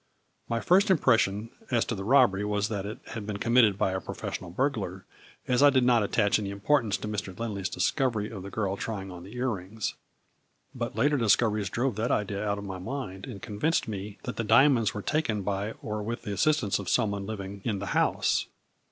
My first impression as to the robbery was that it had been committed by a professional burglar, as I did not attach any importance to Mr. Lindley 's dis covery of the girl trying on the ear rings. But later discoveries drove that idea out of my mind, and convinced me that the diamonds were taken by or with the assistance of some one living in the house.